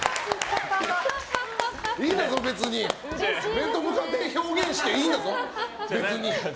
面と向かって表現していいんだぞ、別に。